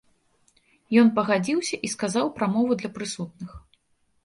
Ён пагадзіўся і сказаў прамову для прысутных.